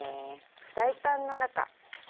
フライパンの中。